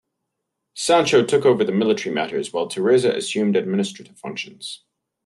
Sancho took over military matters, while Theresa assumed administrative functions.